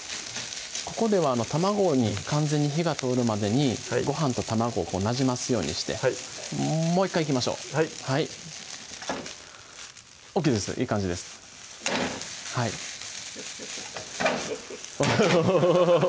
ここでは卵に完全に火が通るまでにごはんと卵をなじますようにしてもう１回いきましょうはいＯＫですねいい感じですおぉ